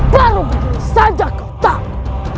baru bilang saja kau takut